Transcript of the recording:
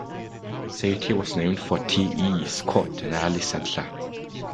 The city was named for T. E. Scott, an early settler.